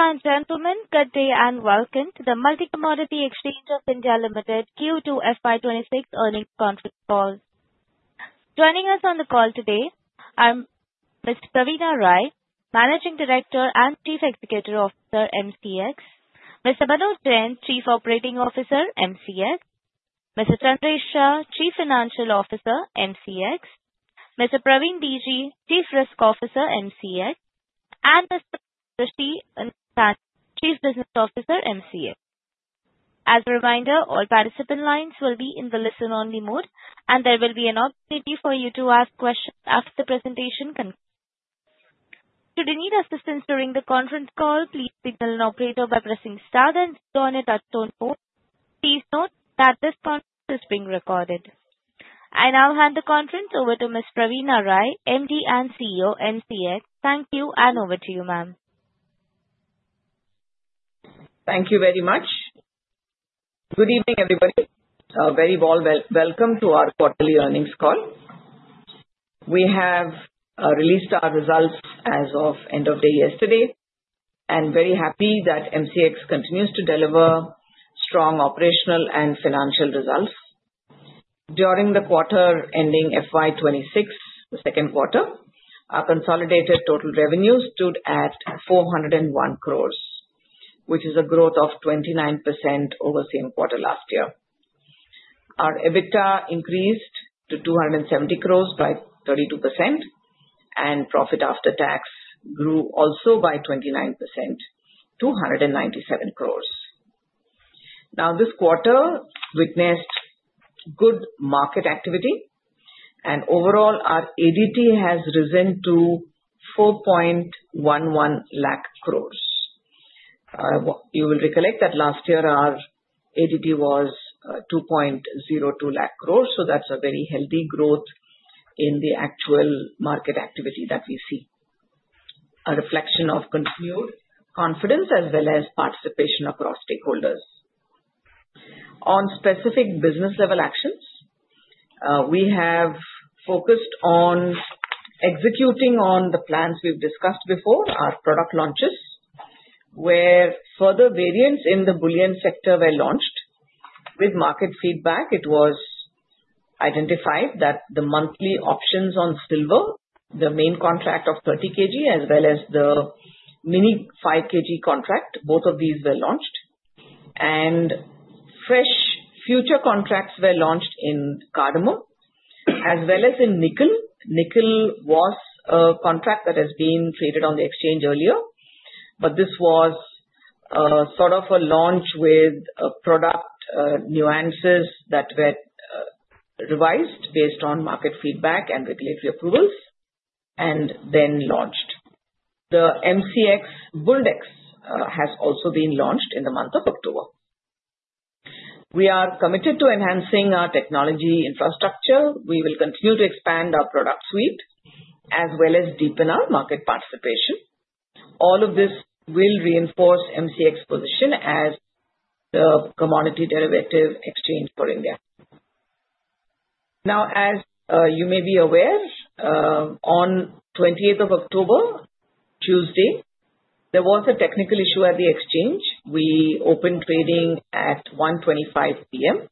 Ladies and gentlemen, good day and welcome to the Multi Commodity Exchange of India Limited Q2 FY26 earnings conference call. Joining us on the call today are Ms. Praveena Rai, Managing Director and Chief Executive Officer MCX, Mr. Manoj Jain, Chief Operating Officer MCX, Mr. Chandresh Shah, Chief Financial Officer MCX, Mr. Praveen D.G., Chief Risk Officer MCX, and Mr. Rishi Nathany, Chief Business Officer MCX. As a reminder, all participant lines will be in the listen-only mode, and there will be an opportunity for you to ask questions after the presentation concludes. Should you need assistance during the conference call, please signal an operator by pressing star then join at that phone mode. Please note that this conference is being recorded. I now hand the conference over to Ms. Praveena Rai, MD and CEO MCX. Thank you, and over to you, ma'am. Thank you very much. Good evening, everybody. A very warm welcome to our quarterly earnings call. We have released our results as of end of day yesterday, and very happy that MCX continues to deliver strong operational and financial results. During the quarter ending FY26, the second quarter, our consolidated total revenue stood at 401 crores, which is a growth of 29% over the same quarter last year. Our EBITDA increased to 270 crores by 32%, and profit after tax grew also by 29% to 197 crores. Now, this quarter witnessed good market activity, and overall, our ADT has risen to 4.11 lakh crores. You will recollect that last year our ADT was 2.02 lakh crores, so that's a very healthy growth in the actual market activity that we see, a reflection of continued confidence as well as participation across stakeholders. On specific business-level actions, we have focused on executing on the plans we've discussed before, our product launches, where further variants in the bullion sector were launched. With market feedback, it was identified that the monthly options on silver, the main contract of 30 kg, as well as the mini 5 kg contract, both of these were launched, and fresh future contracts were launched in cardamom as well as in nickel. Nickel was a contract that has been traded on the exchange earlier, but this was sort of a launch with product nuances that were revised based on market feedback and regulatory approvals and then launched. The MCX Buldex has also been launched in the month of October. We are committed to enhancing our technology infrastructure. We will continue to expand our product suite as well as deepen our market participation. All of this will reinforce MCX's position as the commodity derivative exchange for India. Now, as you may be aware, on 28th of October, Tuesday, there was a technical issue at the exchange. We opened trading at 1:25 P.M.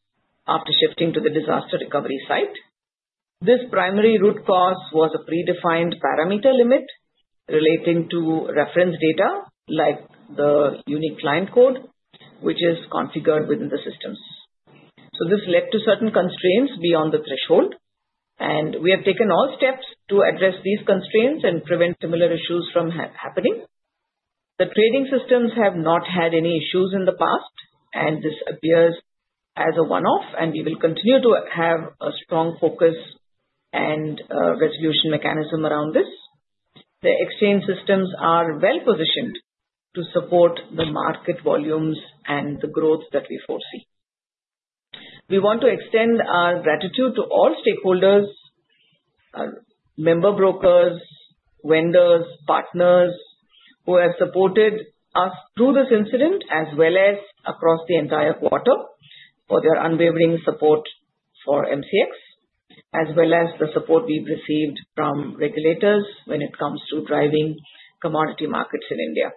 after shifting to the disaster recovery site. This primary root cause was a predefined parameter limit relating to reference data like the Unique Client Code, which is configured within the systems. So this led to certain constraints beyond the threshold, and we have taken all steps to address these constraints and prevent similar issues from happening. The trading systems have not had any issues in the past, and this appears as a one-off, and we will continue to have a strong focus and resolution mechanism around this. The exchange systems are well positioned to support the market volumes and the growth that we foresee. We want to extend our gratitude to all stakeholders, member brokers, vendors, partners who have supported us through this incident as well as across the entire quarter for their unwavering support for MCX, as well as the support we've received from regulators when it comes to driving commodity markets in India.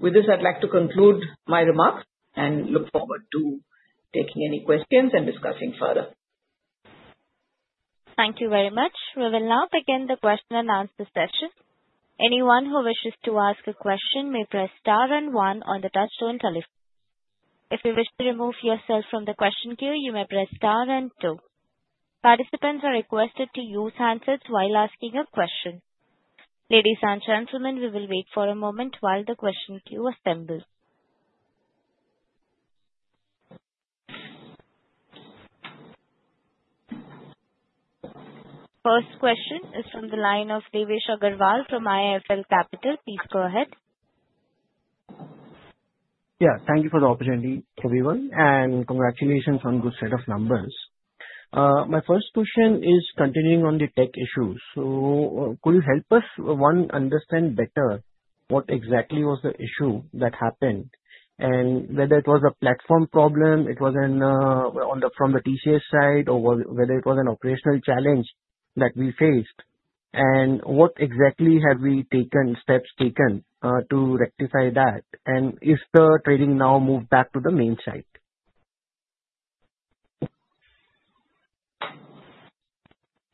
With this, I'd like to conclude my remarks and look forward to taking any questions and discussing further. Thank you very much. We will now begin the question and answer session. Anyone who wishes to ask a question may press star and one on the touch-tone telephone. If you wish to remove yourself from the question queue, you may press star and two. Participants are requested to use handsets while asking a question. Ladies and gentlemen, we will wait for a moment while the question queue assembles. First question is from the line of Devesh Agarwal from IIFL Capital. Please go ahead. Yeah, thank you for the opportunity, everyone, and congratulations on a good set of numbers. My first question is continuing on the tech issues. So could you help us, one, understand better what exactly was the issue that happened and whether it was a platform problem, it was from the TCS side, or whether it was an operational challenge that we faced? And what exactly have we steps taken to rectify that? And is the trading now moved back to the main site?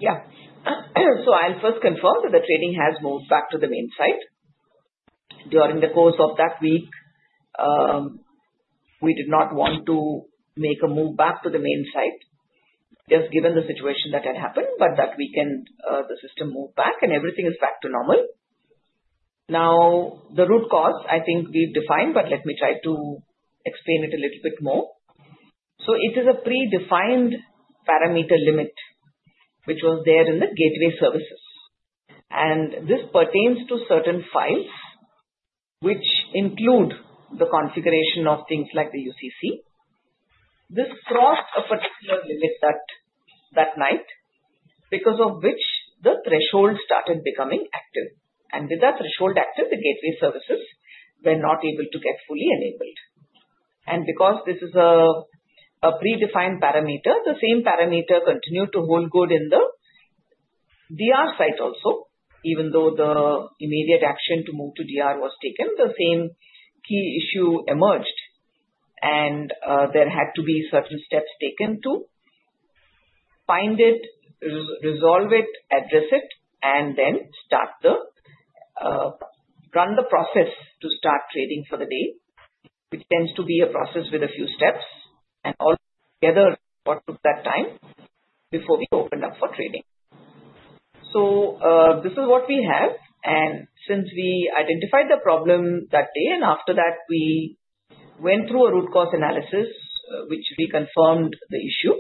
Yeah. So I'll first confirm that the trading has moved back to the main site. During the course of that week, we did not want to make a move back to the main site just given the situation that had happened, but that weekend the system moved back and everything is back to normal. Now, the root cause, I think we've defined, but let me try to explain it a little bit more. So it is a predefined parameter limit which was there in the gateway services. And this pertains to certain files which include the configuration of things like the UCC. This crossed a particular limit that night because of which the threshold started becoming active. And with that threshold active, the gateway services were not able to get fully enabled. Because this is a predefined parameter, the same parameter continued to hold good in the DR site also. Even though the immediate action to move to DR was taken, the same key issue emerged, and there had to be certain steps taken to find it, resolve it, address it, and then run the process to start trading for the day, which tends to be a process with a few steps. Altogether, it took that time before we opened up for trading. This is what we have. Since we identified the problem that day and after that, we went through a root cause analysis which reconfirmed the issue.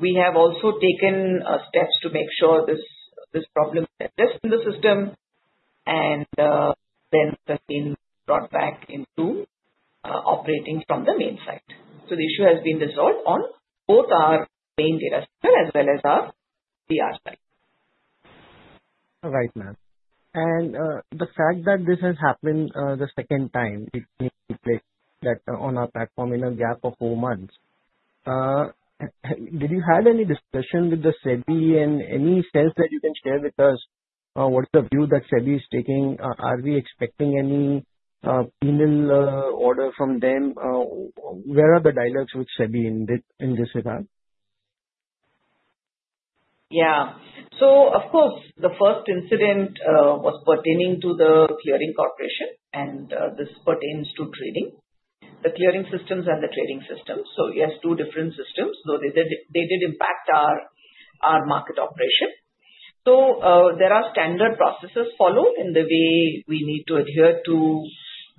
We have also taken steps to make sure this problem is addressed in the system, and then the team brought back into operating from the main site. The issue has been resolved on both our main data center as well as our DR site. All right, ma'am, and the fact that this has happened the second time, it means that on our platform in a gap of four months, did you have any discussion with the SEBI and any sense that you can share with us what is the view that SEBI is taking? Are we expecting any penal order from them? Where are the dialogues with SEBI in this regard? Yeah. So of course, the first incident was pertaining to the clearing corporation, and this pertains to trading, the clearing systems and the trading systems. So yes, two different systems, though they did impact our market operation. So there are standard processes followed in the way we need to adhere to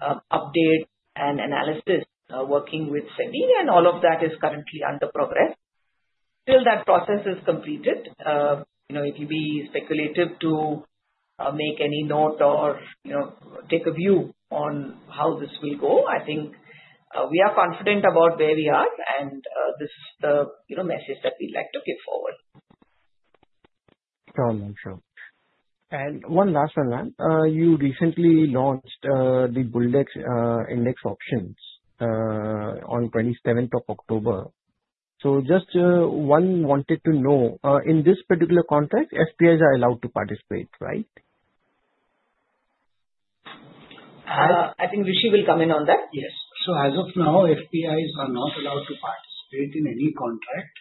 update and analysis working with SEBI, and all of that is currently under progress. Until that process is completed, it will be speculative to make any note or take a view on how this will go. I think we are confident about where we are, and this is the message that we'd like to give forward. Sure, ma'am. Sure. And one last one, ma'am. You recently launched the Buldex index options on 27th of October. So just one wanted to know, in this particular contract, FPIs are allowed to participate, right? I think Rishi will come in on that. Yes. So as of now, FPIs are not allowed to participate in any contract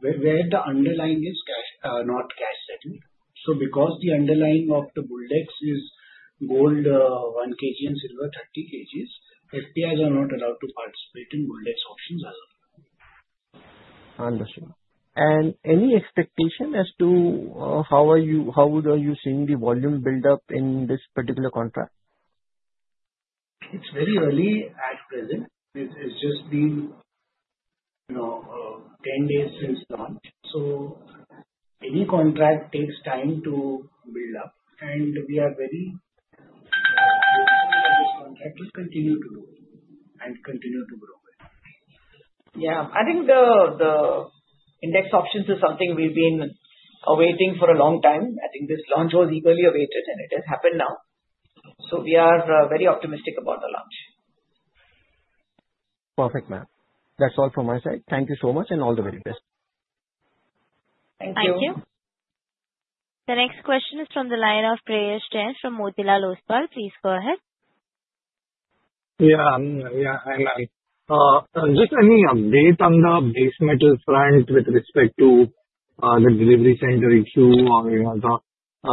where the underlying is not cash settled. So because the underlying of the Buldex is gold 1 kg and silver 30 kg, FPIs are not allowed to participate in Buldex options as of now. Understood, and any expectation as to how would you see the volume build up in this particular contract? It's very early at present. It's just been 10 days since launch. So any contract takes time to build up, and we are very confident that this contract will continue to do and continue to grow. Yeah. I think the index options is something we've been awaiting for a long time. I think this launch was eagerly awaited, and it has happened now. So we are very optimistic about the launch. Perfect, ma'am. That's all from my side. Thank you so much and all the very best. Thank you. Thank you. The next question is from the line of Prayesh Jain from Motilal Oswal. Please go ahead. Yeah. Yeah, and just any update on the base metal front with respect to the delivery center issue or the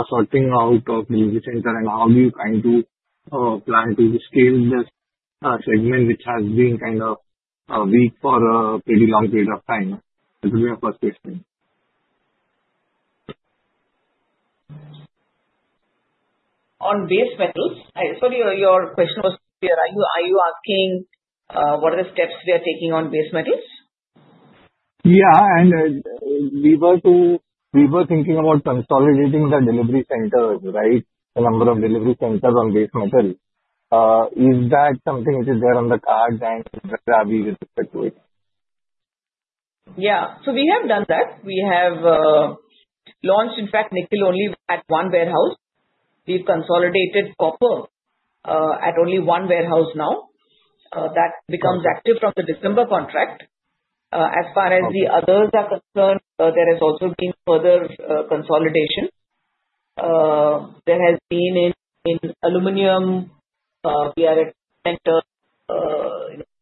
sorting out of delivery center and how do you plan to scale this segment which has been kind of weak for a pretty long period of time? That would be my first question. On base metals, I thought your question was clear. Are you asking what are the steps we are taking on base metals? Yeah. And we were thinking about consolidating the delivery centers, right, the number of delivery centers on base metals. Is that something which is there on the cards and where are we with respect to it? Yeah. So we have done that. We have launched, in fact, nickel only at one warehouse. We've consolidated copper at only one warehouse now. That becomes active from the December contract. As far as the others are concerned, there has also been further consolidation. There has been further consolidation in aluminum. We are at one center.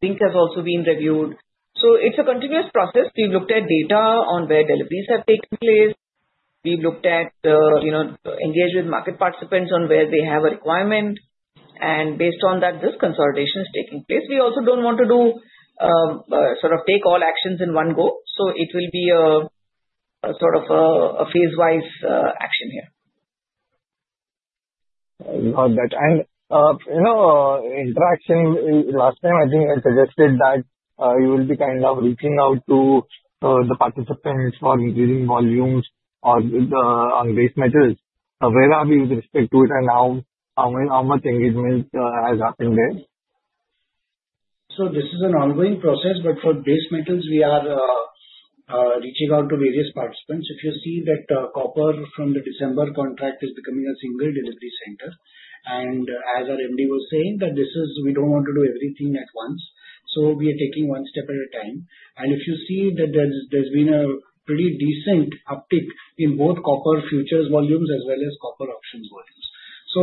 Zinc has also been reviewed. So it's a continuous process. We've looked at data on where deliveries have taken place. We've looked at and engaged with market participants on where they have a requirement. And based on that, this consolidation is taking place. We also don't want to sort of take all actions in one go. So it will be sort of a phase-wise action here. Not bad. And interaction last time, I think I suggested that you will be kind of reaching out to the participants for increasing volumes on base metals. Where are we with respect to it and how much engagement has happened there? This is an ongoing process, but for base metals, we are reaching out to various participants. If you see that copper from the December contract is becoming a single delivery center. And as our MD was saying, that we don't want to do everything at once. So we are taking one step at a time. And if you see that there's been a pretty decent uptick in both copper futures volumes as well as copper options volumes. So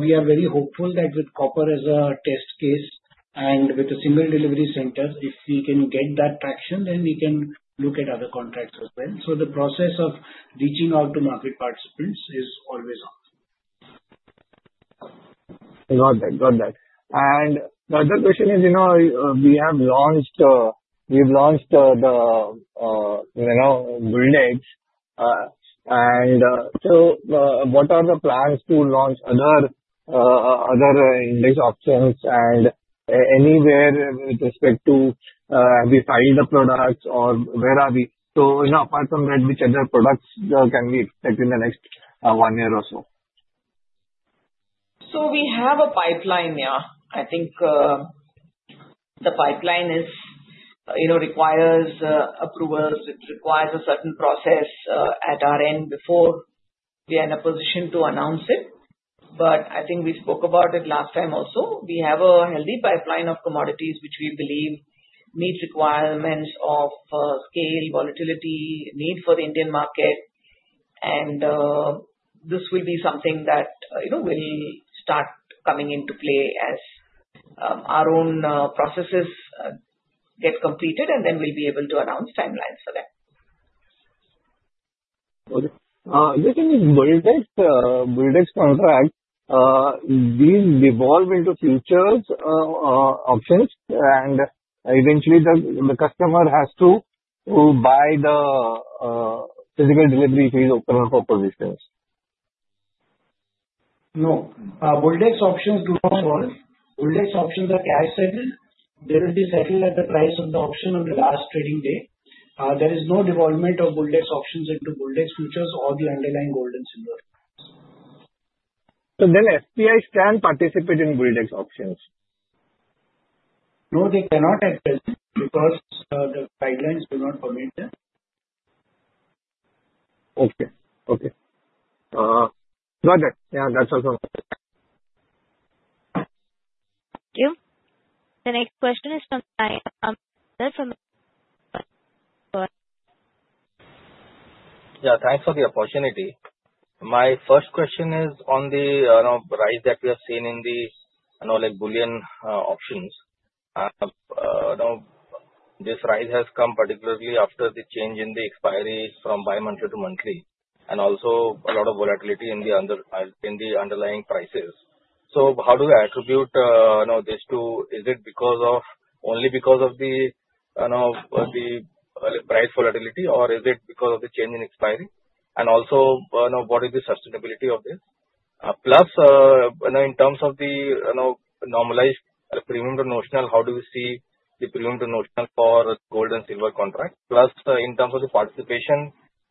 we are very hopeful that with copper as a test case and with a single delivery center, if we can get that traction, then we can look at other contracts as well. So the process of reaching out to market participants is always on. Got that. Got that. And the other question is we have launched the Buldex. And so what are the plans to launch other index options and anywhere with respect to have we filed the products or where are we? So apart from that, which other products can we expect in the next one year or so? So we have a pipeline there. I think the pipeline requires approvals. It requires a certain process at our end before we are in a position to announce it. But I think we spoke about it last time also. We have a healthy pipeline of commodities which we believe meets requirements of scale, volatility, need for the Indian market. And this will be something that will start coming into play as our own processes get completed, and then we'll be able to announce timelines for that. Okay. Using this Buldex contract, we'll evolve into futures options, and eventually, the customer has to buy the physical delivery. Fees open up for positions. No, Buldex options do not hold. Buldex options are cash settled. They will be settled at the price of the option on the last trading day. There is no devolvement of Buldex options into Buldex futures or the underlying gold and silver. So then FPIs can participate in Buldex options? No, they cannot at present because the guidelines do not permit them. Okay. Okay. Got it. Yeah, that's all from my side. Thank you. The next question is from the line of. Yeah. Thanks for the opportunity. My first question is on the rise that we have seen in the bullion options. This rise has come particularly after the change in the expiry from bi-monthly to monthly and also a lot of volatility in the underlying prices. So how do we attribute this to? Is it only because of the price volatility, or is it because of the change in expiry? And also, what is the sustainability of this? Plus, in terms of the normalized premium to notional, how do we see the premium to notional for gold and silver contract? Plus, in terms of the participation,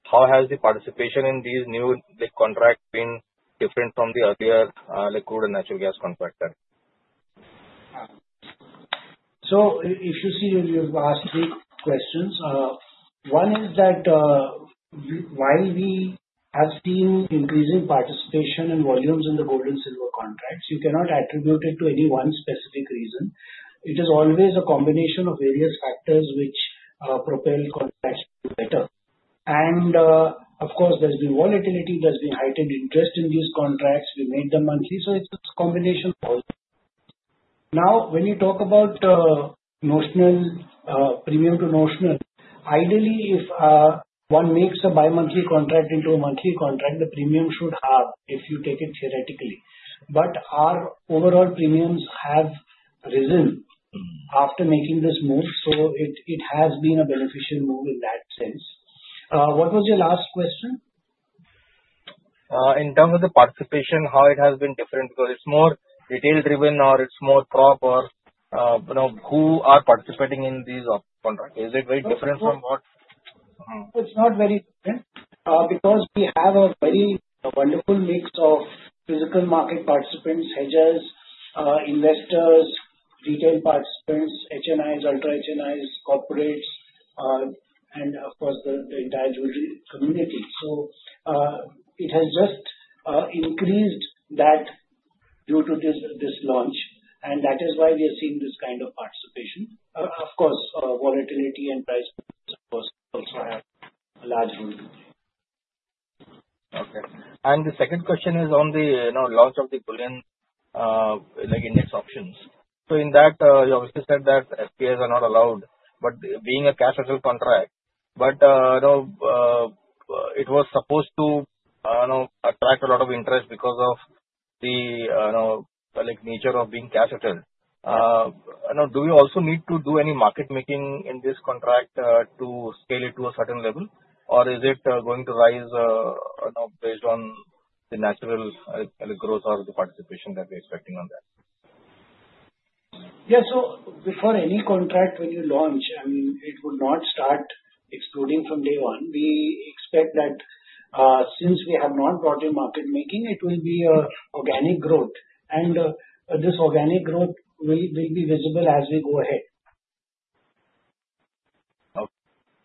how has the participation in these new contract been different from the earlier crude and natural gas contract? So if you see your last three questions, one is that while we have seen increasing participation and volumes in the gold and silver contracts, you cannot attribute it to any one specific reason. It is always a combination of various factors which propel contracts to better, and of course, there's been volatility. There's been heightened interest in these contracts. We made them monthly. So it's a combination of all. Now, when you talk about notional premium to notional, ideally, if one makes a bi-monthly contract into a monthly contract, the premium should halve if you take it theoretically. But our overall premiums have risen after making this move, so it has been a beneficial move in that sense. What was your last question? In terms of the participation, how it has been different? Because it's more retail-driven or it's more proper, who are participating in these contracts? Is it very different from what? It's not very different because we have a very wonderful mix of physical market participants, hedgers, investors, retail participants, HNIs, ultra HNIs, corporates, and of course, the entire jewelry community. So it has just increased that due to this launch, and that is why we are seeing this kind of participation. Of course, volatility and price also have a large role to play. Okay. And the second question is on the launch of the bullion index options. So in that, you obviously said that FPIs are not allowed, but being a cash settled contract, it was supposed to attract a lot of interest because of the nature of being cash settled. Do we also need to do any market making in this contract to scale it to a certain level, or is it going to rise based on the natural growth of the participation that we're expecting on that? Yeah. So before any contract, when you launch, I mean, it will not start exploding from day one. We expect that since we have not brought in market making, it will be an organic growth. And this organic growth will be visible as we go ahead.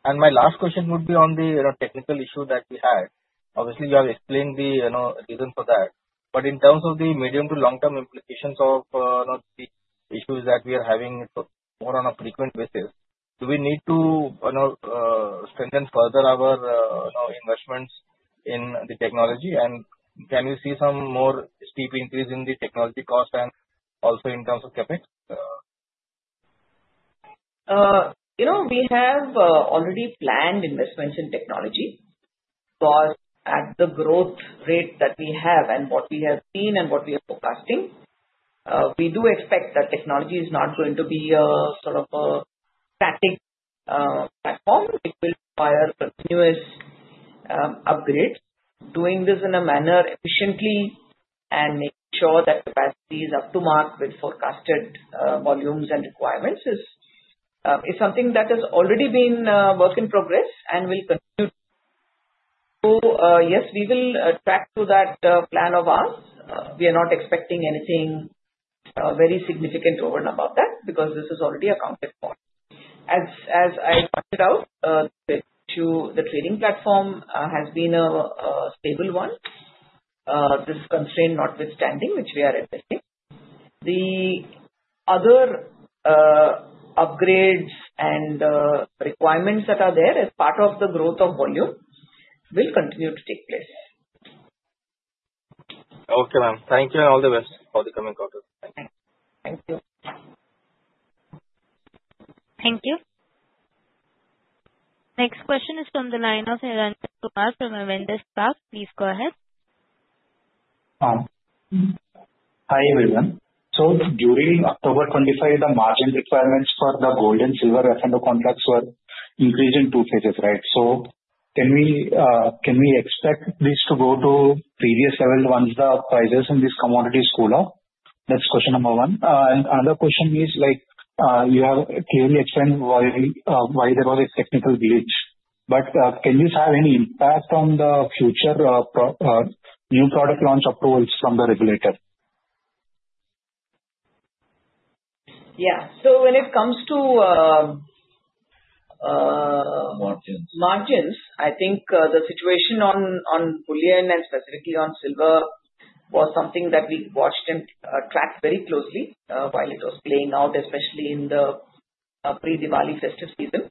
And my last question would be on the technical issue that we had. Obviously, you have explained the reason for that. But in terms of the medium to long-term implications of the issues that we are having more on a frequent basis, do we need to strengthen further our investments in the technology? And can we see some more steep increase in the technology cost and also in terms of CapEx? We have already planned investments in technology. But at the growth rate that we have and what we have seen and what we are forecasting, we do expect that technology is not going to be sort of a static platform. It will require continuous upgrades. Doing this in a manner efficiently and make sure that capacity is up to mark with forecasted volumes and requirements is something that has already been a work in progress and will continue. So yes, we will attract to that plan of ours. We are not expecting anything very significant over and above that because this is already a counterpoint. As I pointed out, the trading platform has been a stable one. This constraint notwithstanding, which we are at the same. The other upgrades and requirements that are there as part of the growth of volume will continue to take place. Okay, ma'am. Thank you and all the best for the coming quarter. Thank you. Thank you. Next question is from the line of Niranjan Kumar from Avendus Spark. Please go ahead. Hi everyone. So during October 25, the margin requirements for the gold and silver F&O contracts were increased in two phases, right? So can we expect this to go to previous level once the prices in these commodities cool off? That's question number one. And another question is you have clearly explained why there was a technical glitch. But can this have any impact on the future new product launch approvals from the regulator? Yeah. So when it comes to margins, I think the situation on bullion and specifically on silver was something that we watched and tracked very closely while it was playing out, especially in the pre-Diwali festive season.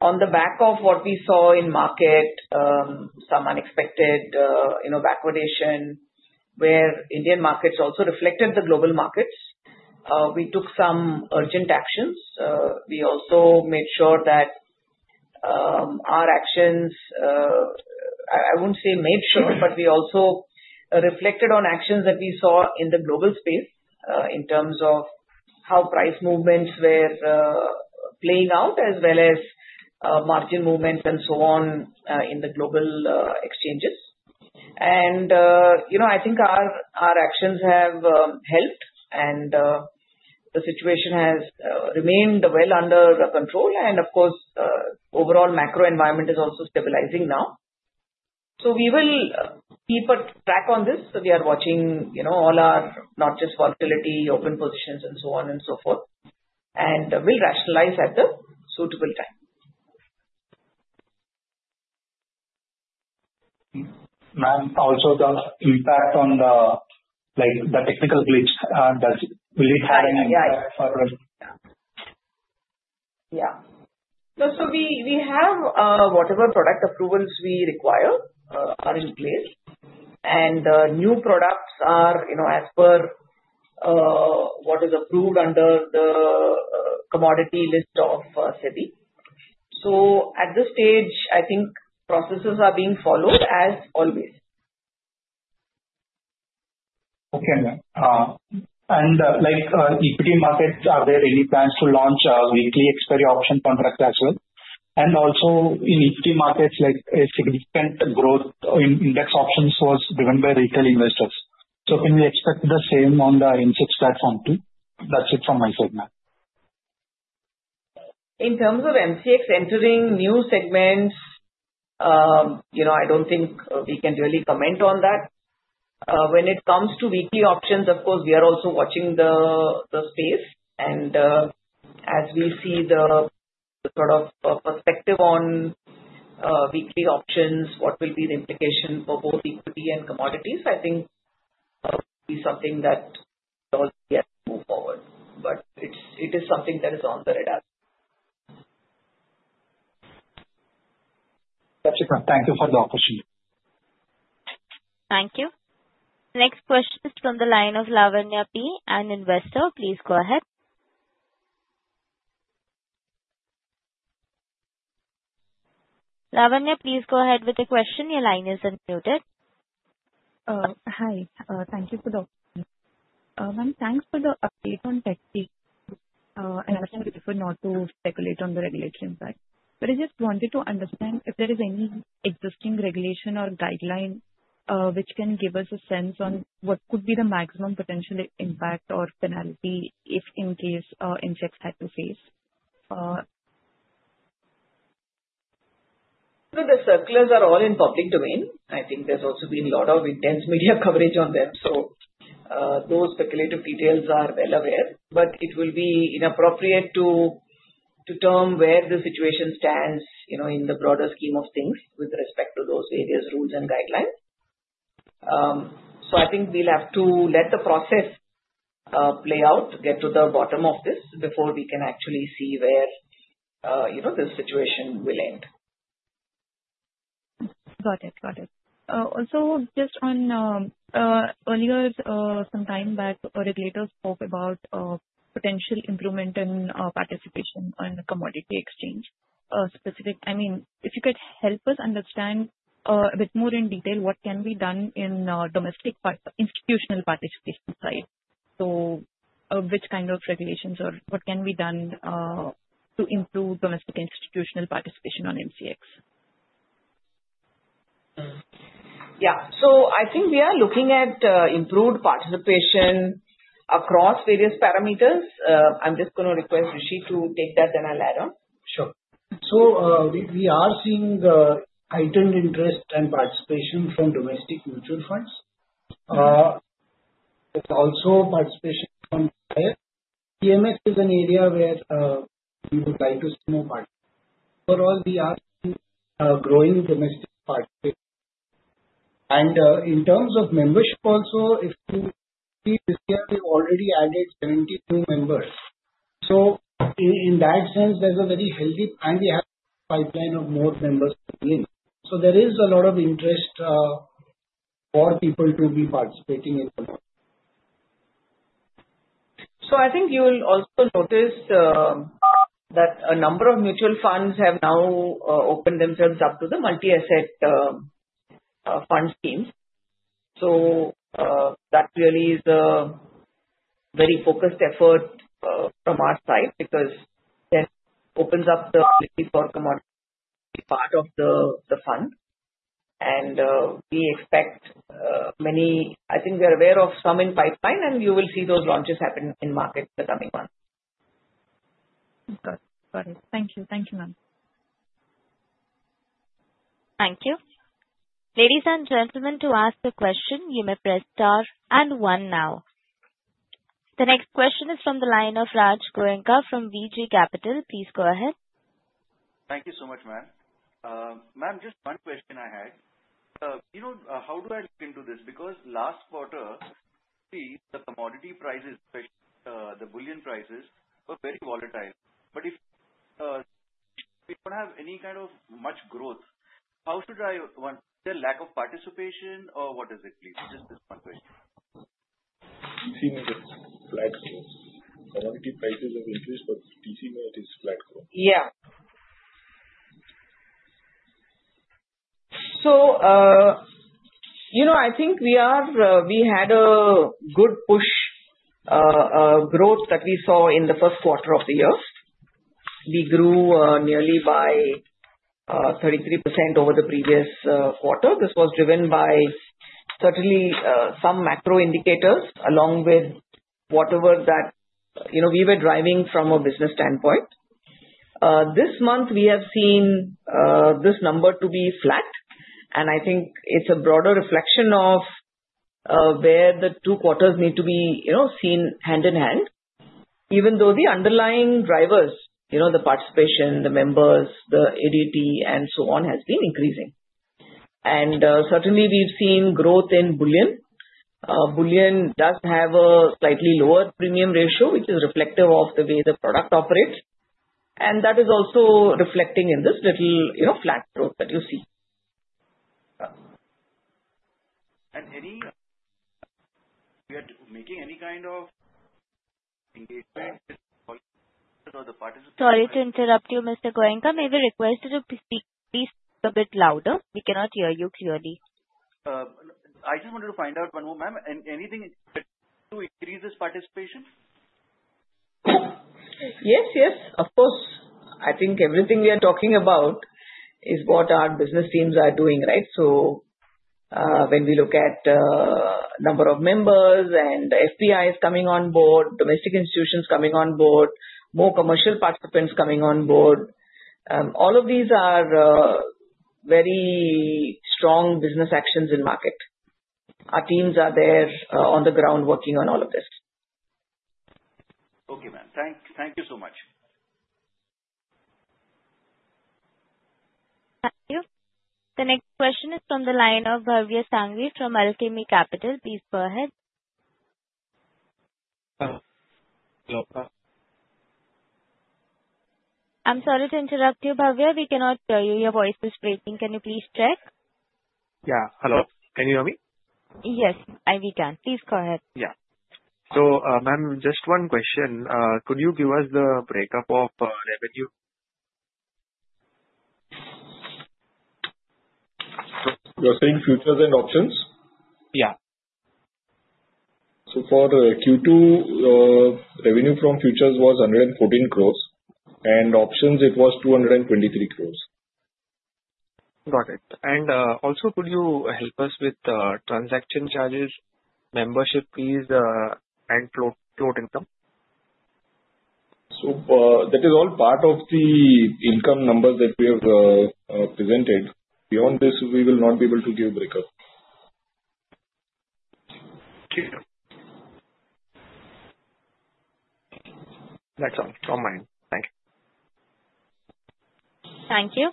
On the back of what we saw in market, some unexpected backwardation where Indian markets also reflected the global markets, we took some urgent actions. We also made sure that our actions, I wouldn't say made sure, but we also reflected on actions that we saw in the global space in terms of how price movements were playing out as well as margin movements and so on in the global exchanges. And I think our actions have helped, and the situation has remained well under control. And of course, overall macro environment is also stabilizing now. So we will keep a track on this. We are watching all our not just volatility, open positions, and so on and so forth, and we'll rationalize at the suitable time. Ma'am, also the impact on the technical glitch, will it have any impact for? Yeah. So we have whatever product approvals we require are in place. And new products are as per what is approved under the commodity list of SEBI. So at this stage, I think processes are being followed as always. Okay, ma'am. And in equity markets, are there any plans to launch a weekly expiry option contract as well? And also in equity markets, a significant growth in index options was driven by retail investors. So can we expect the same on the MCX platform too? That's it from my side, ma'am. In terms of MCX entering new segments, I don't think we can really comment on that. When it comes to weekly options, of course, we are also watching the space. And as we see the sort of perspective on weekly options, what will be the implication for both equity and commodities, I think it will be something that will also be able to move forward. But it is something that is on the radar. That's it, ma'am. Thank you for the opportunity. Thank you. Next question is from the line of Lavanya T., an investor. Please go ahead. Lavanya, please go ahead with the question. Your line is unmuted. Hi. Thank you for the opportunity. Ma'am, thanks for the update on tech team. I understand it's difficult not to speculate on the regulatory impact. But I just wanted to understand if there is any existing regulation or guideline which can give us a sense on what could be the maximum potential impact or penalty if in case MCX had to face? The circulars are all in public domain. I think there's also been a lot of intense media coverage on them. So those stakeholders are well aware. But it will be inappropriate to comment on where the situation stands in the broader scheme of things with respect to those various rules and guidelines. So I think we'll have to let the process play out, get to the bottom of this before we can actually see where this situation will end. Got it. Got it. Also just on earlier, some time back, regulators spoke about potential improvement in participation on the commodity exchange. I mean, if you could help us understand a bit more in detail, what can be done in domestic institutional participation side? So which kind of regulations or what can be done to improve domestic institutional participation on MCX? Yeah. So I think we are looking at improved participation across various parameters. I'm just going to request Rishi to elaborate. Sure. So we are seeing heightened interest and participation from domestic mutual funds. There's also participation from HNI. FPI is an area where we would like to see more participation. Overall, we are seeing growing domestic participation. And in terms of membership also, if you see this year, we've already added 72 members. So in that sense, there's a very healthy, and we have a pipeline of more members to be in. So there is a lot of interest for people to be participating in the market. So I think you will also notice that a number of mutual funds have now opened themselves up to the multi-asset fund schemes. So that really is a very focused effort from our side because that opens up the ability for commodity part of the fund. And we expect many I think we are aware of some in pipeline, and you will see those launches happen in market in the coming months. Got it. Got it. Thank you. Thank you, ma'am. Thank you. Ladies and gentlemen, to ask the question, you may press star and one now. The next question is from the line of Raj Goenka from V.G. Capital. Please go ahead. Thank you so much, ma'am. Ma'am, just one question I had. How do I look into this? Because last quarter, the commodity prices, especially the bullion prices, were very volatile. But if we don't have any kind of much growth, how should I understand the lack of participation or what is it, please? Just this one question. CME has flat growth. Commodity prices have increased, but CME has flat growth. Yeah. So I think we had a good push growth that we saw in the first quarter of the year. We grew nearly by 33% over the previous quarter. This was driven by certainly some macro indicators along with whatever that we were driving from a business standpoint. This month, we have seen this number to be flat. And I think it's a broader reflection of where the two quarters need to be seen hand in hand, even though the underlying drivers, the participation, the members, the ADT, and so on, have been increasing. And certainly, we've seen growth in bullion. Bullion does have a slightly lower premium ratio, which is reflective of the way the product operates. And that is also reflecting in this little flat growth that you see. We are making any kind of engagement with the participants? Sorry to interrupt you, Mr. Goenka. May we request you to please speak a bit louder? We cannot hear you clearly. I just wanted to find out one more, ma'am. Anything to increase this participation? Yes, yes. Of course. I think everything we are talking about is what our business teams are doing, right? So when we look at the number of members and FPIs coming on board, domestic institutions coming on board, more commercial participants coming on board, all of these are very strong business actions in market. Our teams are there on the ground working on all of this. Okay, ma'am. Thank you so much. Thank you. The next question is from the line of Bhavya Sanghvi from Alchemy Capital. Please go ahead. Hello. I'm sorry to interrupt you, Bhavya. We cannot hear you. Your voice is breaking. Can you please check? Yeah. Hello. Can you hear me? Yes, we can. Please go ahead. Yeah. So ma'am, just one question. Could you give us the breakdown of revenue? You're saying futures and options? Yeah. For Q2, revenue from futures was INR 114 crores. Options, it was INR 223 crores. Got it. And also, could you help us with transaction charges, membership fees, and float income? So that is all part of the income numbers that we have presented. Beyond this, we will not be able to give a breakup. Excellent. All mine. Thank you. Thank you.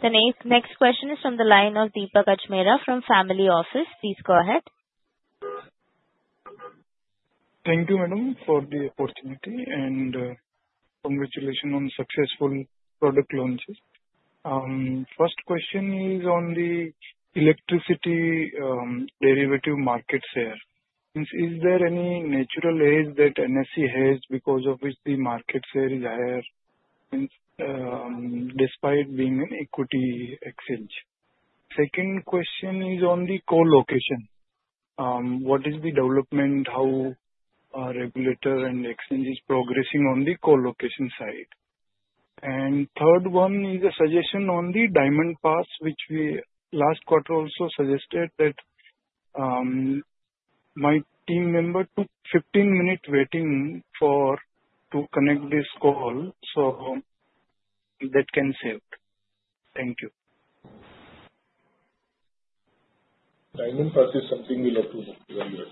The next question is from the line of Deepak Ajmera from Family Office. Please go ahead. Thank you, madam, for the opportunity. And congratulations on the successful product launches. First question is on the electricity derivative market share. Is there any natural edge that NSE has because of which the market share is higher despite being an equity exchange? Second question is on the co-location. What is the development? How are regulator and exchanges progressing on the co-location side? And third one is a suggestion on the Diamond Pass, which we last quarter also suggested that my team member took 15 minutes waiting to connect this call. So that can save. Thank you. Diamond Pass is something we'll have to evaluate.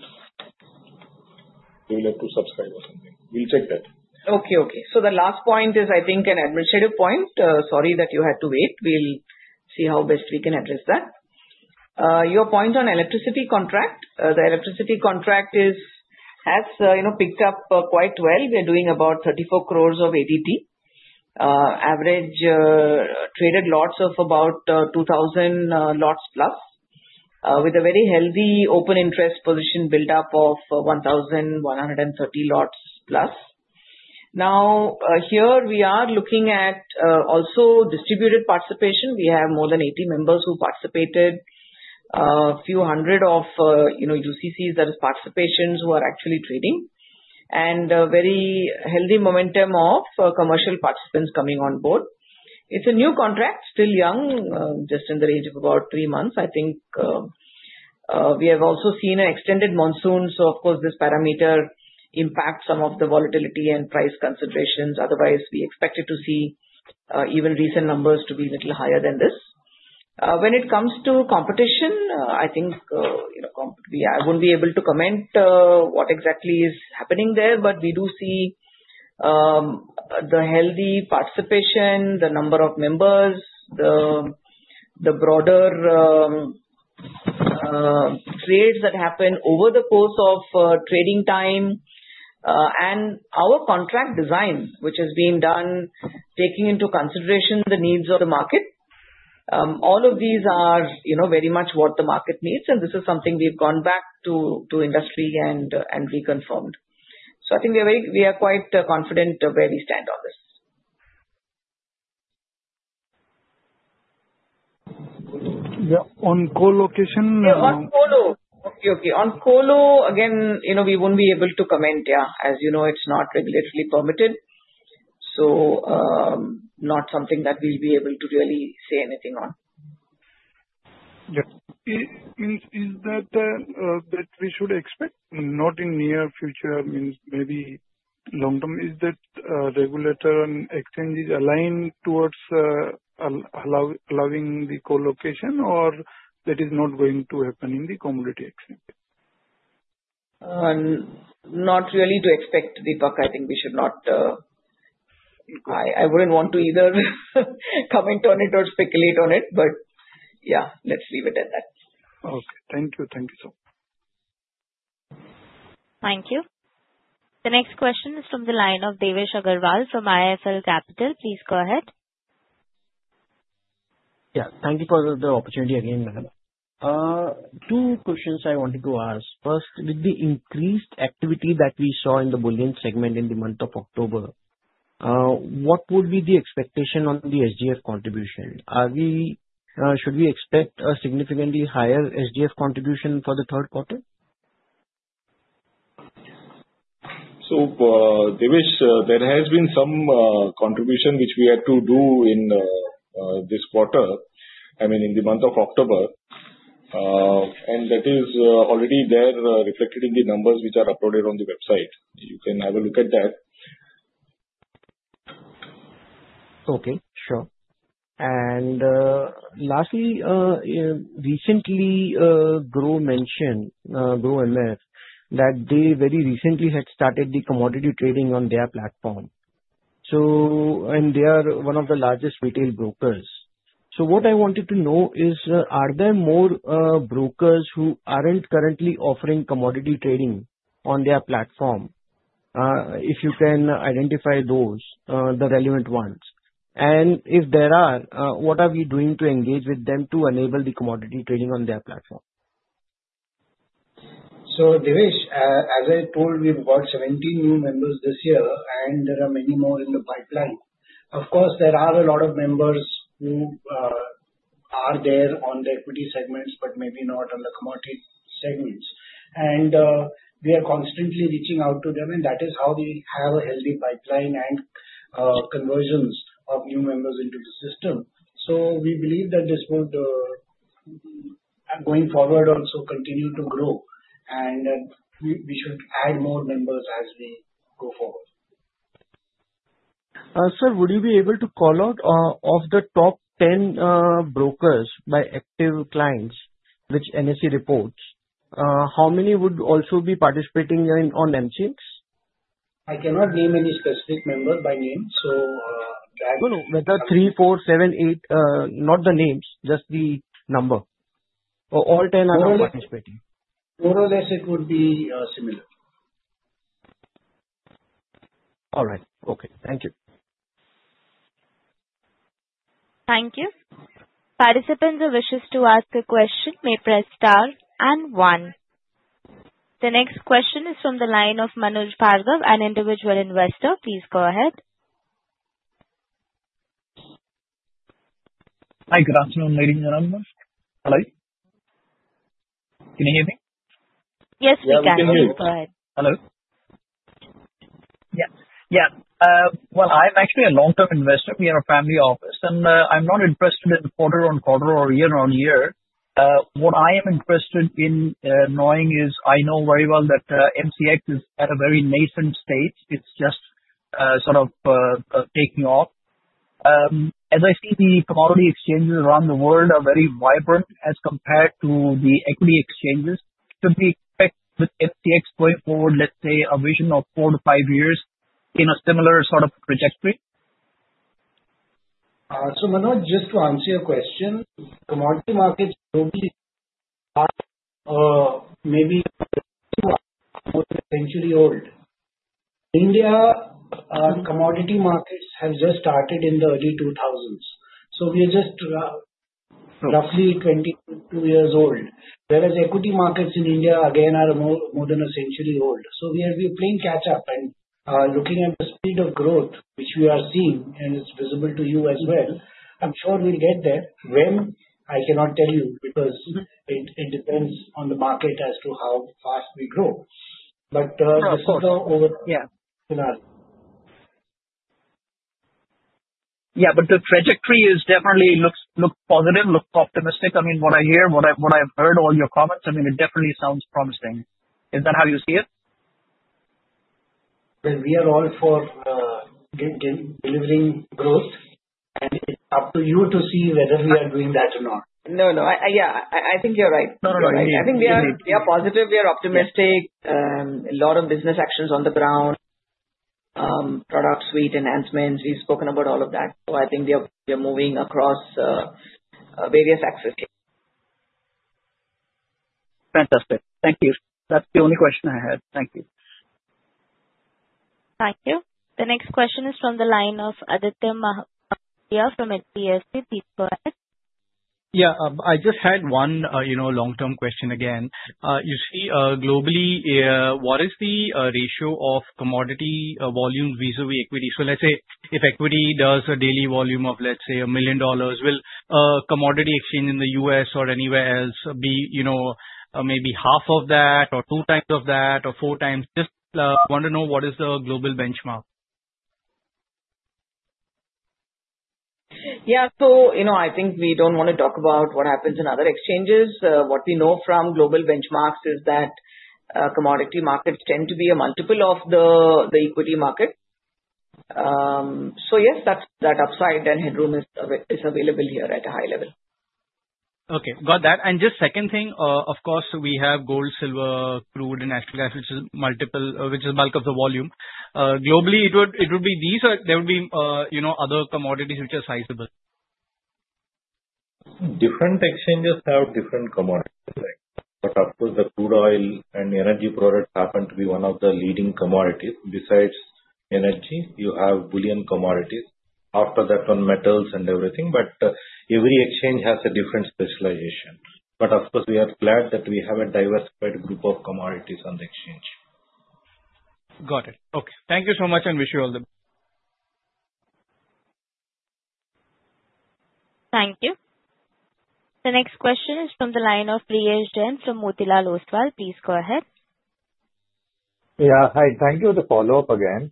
We'll have to subscribe or something. We'll check that. Okay, okay. So the last point is, I think, an administrative point. Sorry that you had to wait. We'll see how best we can address that. Your point on electricity contract, the electricity contract has picked up quite well. We are doing about 34 crores of ADT. Average traded lots of about 2,000 lots plus, with a very healthy open interest position buildup of 1,130 lots plus. Now, here we are looking at also distributed participation. We have more than 80 members who participated, a few hundred of UCCs that are participants who are actually trading, and a very healthy momentum of commercial participants coming on board. It's a new contract, still young, just in the range of about three months. I think we have also seen an extended monsoon. So of course, this parameter impacts some of the volatility and price considerations. Otherwise, we expected to see even recent numbers to be a little higher than this. When it comes to competition, I think I wouldn't be able to comment on what exactly is happening there. But we do see the healthy participation, the number of members, the broader trades that happen over the course of trading time, and our contract design, which has been done taking into consideration the needs of the market. All of these are very much what the market needs, and this is something we've gone back to industry and reconfirmed, so I think we are quite confident where we stand on this. Yeah. On co-location. Yeah, on co-lo. Okay, okay. On co-lo, again, we wouldn't be able to comment. Yeah. As you know, it's not regulatory permitted. So not something that we'll be able to really say anything on. Yeah. Is that what we should expect? Not in near future, maybe long term. Is that regulator and exchanges aligned towards allowing the co-location, or that is not going to happen in the commodity exchange? Not really to expect, Deepak. I think we should not. I wouldn't want to either comment on it or speculate on it. But yeah, let's leave it at that. Okay. Thank you. Thank you so. Thank you. The next question is from the line of Devesh Agarwal from IIFL Capital. Please go ahead. Yeah. Thank you for the opportunity again, madam. Two questions I wanted to ask. First, with the increased activity that we saw in the bullion segment in the month of October, what would be the expectation on the SGF contribution? Should we expect a significantly higher SGF contribution for the third quarter? Devesh, there has been some contribution which we had to do in this quarter, I mean, in the month of October. That is already there reflected in the numbers which are uploaded on the website. You can have a look at that. Okay. Sure. And lastly, recently, Groww mentioned, Groww MF, that they very recently had started the commodity trading on their platform. And they are one of the largest retail brokers. So what I wanted to know is, are there more brokers who aren't currently offering commodity trading on their platform? If you can identify those, the relevant ones. And if there are, what are we doing to engage with them to enable the commodity trading on their platform? Devesh, as I told, we've got 17 new members this year, and there are many more in the pipeline. Of course, there are a lot of members who are there on the equity segments, but maybe not on the commodity segments. We are constantly reaching out to them, and that is how we have a healthy pipeline and conversions of new members into the system. We believe that this would, going forward, also continue to grow. We should add more members as we go forward. Sir, would you be able to call out of the top 10 brokers by active clients, which NSE reports, how many would also be participating on MCX? I cannot name any specific member by name. So that. No, no. Better three, four, seven, eight, not the names, just the number. All 10 are participating. More or less, it would be similar. All right. Okay. Thank you. Thank you. Participants who wish to ask a question may press star and one. The next question is from the line of Manoj Bhargava, an individual investor. Please go ahead. Hi. Good afternoon, ladies and gentlemen. Hello? Can you hear me? Yes, we can. Yeah. Can you hear me? Go ahead. Hello. Yeah. Yeah. Well, I'm actually a long-term investor. We are a family office. And I'm not interested in quarter on quarter or year on year. What I am interested in knowing is I know very well that MCX is at a very nascent stage. It's just sort of taking off. As I see, the commodity exchanges around the world are very vibrant as compared to the equity exchanges. Should we expect with MCX going forward, let's say, a vision of four to five years in a similar sort of trajectory? So Manoj, just to answer your question, commodity markets globally are maybe two or more than a century old. India, commodity markets have just started in the early 2000s. So we are just roughly 22 years old, whereas equity markets in India, again, are more than a century old. So we are playing catch-up. And looking at the speed of growth, which we are seeing, and it's visible to you as well, I'm sure we'll get there. When? I cannot tell you because it depends on the market as to how fast we grow. But this is the overall scenario. Yeah. But the trajectory definitely looks positive, looks optimistic. I mean, what I hear, what I've heard, all your comments, I mean, it definitely sounds promising. Is that how you see it? We are all for delivering growth, and it's up to you to see whether we are doing that or not. No, no. Yeah. I think you're right. No, no, no. I think we are positive. We are optimistic. A lot of business actions on the ground, product suite enhancements. We've spoken about all of that. So I think we are moving across various exits. Fantastic. Thank you. That's the only question I had. Thank you. Thank you. The next question is from the line of Aditya from HDFC. Please go ahead. Yeah. I just had one long-term question again. You see, globally, what is the ratio of commodity volume vis-à-vis equity? So let's say if equity does a daily volume of, let's say, $1 million, will a commodity exchange in the US or anywhere else be maybe half of that or two times of that or four times? Just want to know what is the global benchmark? Yeah. So I think we don't want to talk about what happens in other exchanges. What we know from global benchmarks is that commodity markets tend to be a multiple of the equity market. So yes, that upside and headroom is available here at a high level. Okay. Got that and just second thing, of course, we have gold, silver, crude, and natural gas, which is a bulk of the volume. Globally, it would be these or there would be other commodities which are sizable? Different exchanges have different commodities. But of course, the crude oil and energy products happen to be one of the leading commodities. Besides energy, you have bullion commodities. After that, on metals and everything. But every exchange has a different specialization. But of course, we are glad that we have a diversified group of commodities on the exchange. Got it. Okay. Thank you so much and wish you all the best. Thank you. The next question is from the line of Prayesh Jain from Motilal Oswal. Please go ahead. Yeah. Hi. Thank you for the follow-up again.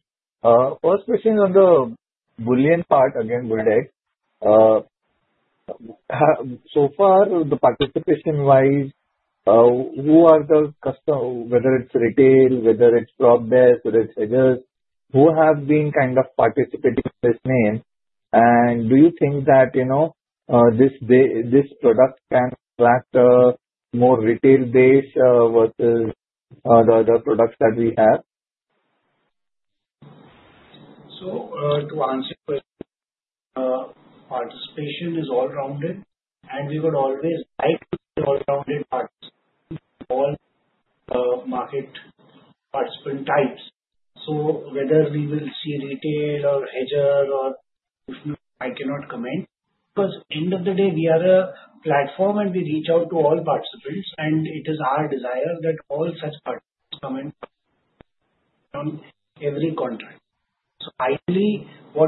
First question on the bullion part, again, Buldex. So far, the participation-wise, who are the customers, whether it's retail, whether it's Prop Desk, whether it's Hedgers, who have been kind of participating in this name? And do you think that this product can attract more retail base versus the other products that we have? So to answer your question, participation is all-rounded. And we would always like to see all-rounded participants in all market participant types. So whether we will see retail or hedger or I cannot comment. Because at the end of the day, we are a platform, and we reach out to all participants. And it is our desire that all such participants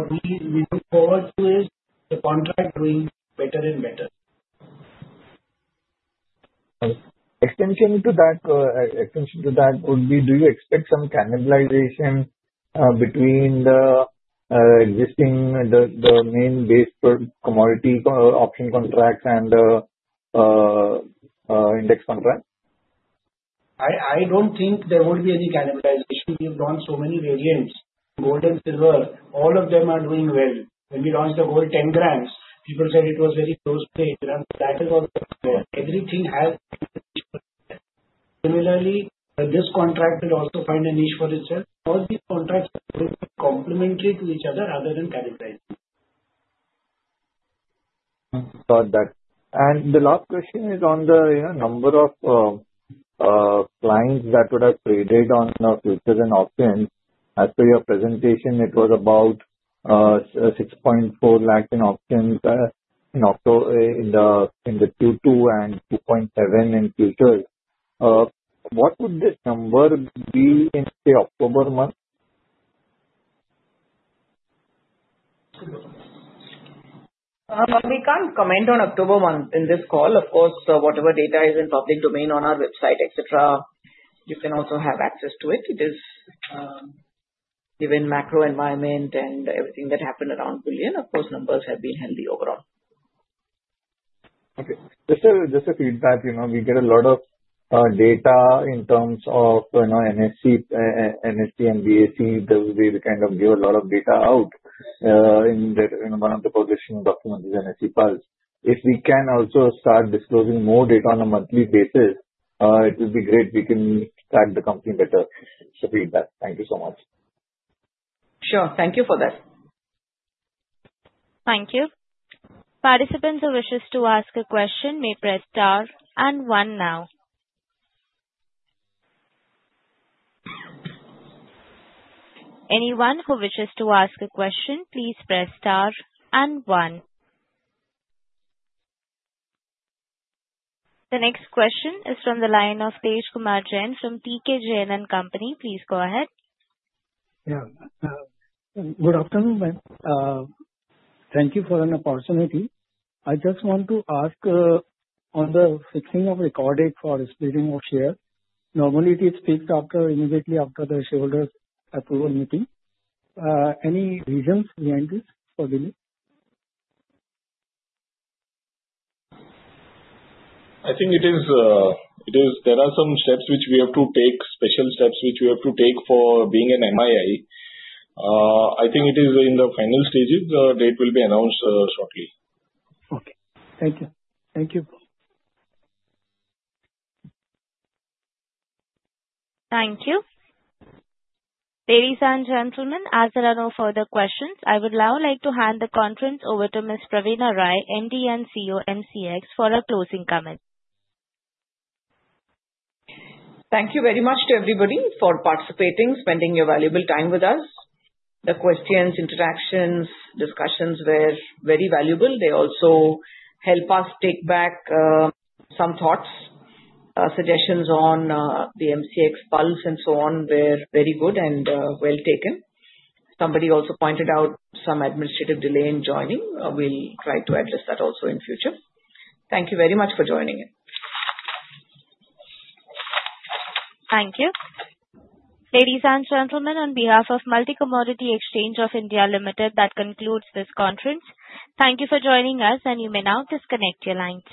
come in on every contract. So ideally, what we look forward to is the contract doing better and better. Extension to that would be, do you expect some cannibalization between the existing main base commodity option contracts and index contracts? I don't think there would be any cannibalization. We have gone so many variants. Gold and silver, all of them are doing well. When we launched the gold 10 grams, people said it was very closely priced. That is all. Everything has a niche. Similarly, this contract will also find a niche for itself. All these contracts are going to be complementary to each other rather than cannibalizing. Got that. And the last question is on the number of clients that would have traded on futures and options. As per your presentation, it was about 6.4 lakh in options in the Q2 and 2.7 in futures. What would this number be in, say, October month? We can't comment on October month in this call. Of course, whatever data is in public domain on our website, etc., you can also have access to it. It is given macro environment and everything that happened around bullion. Of course, numbers have been healthy overall. Okay. Just a feedback. We get a lot of data in terms of NSE and BSE. They will be the kind to give a lot of data out in one of the position documents, NSE Pulse. If we can also start disclosing more data on a monthly basis, it would be great. We can tag the company better. It's a feedback. Thank you so much. Sure. Thank you for that. Thank you. Participants who wish to ask a question may press star and one now. Anyone who wishes to ask a question, please press star and one. The next question is from the line of Tejkumar Jain from TK Jain and Company. Please go ahead. Yeah. Good afternoon, ma'am. Thank you for an opportunity. I just want to ask on the fixing of record date for splitting of shares. Normally, it is fixed immediately after the shareholders' approval meeting. Any reasons behind this delay? I think there are some steps which we have to take, special steps which we have to take for being an MII. I think it is in the final stages. The date will be announced shortly. Okay. Thank you. Thank you. Thank you. Ladies and gentlemen, as there are no further questions, I would now like to hand the conference over to Ms. Praveena Rai, MD & CEO, MCX, for a closing comment. Thank you very much to everybody for participating, spending your valuable time with us. The questions, interactions, discussions were very valuable. They also help us take back some thoughts, suggestions on the MCX Pulse and so on were very good and well taken. Somebody also pointed out some administrative delay in joining. We'll try to address that also in future. Thank you very much for joining in. Thank you. Ladies and gentlemen, on behalf of Multi Commodity Exchange of India Limited, that concludes this conference. Thank you for joining us, and you may now disconnect your lines.